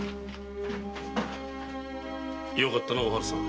よかったなお春さん。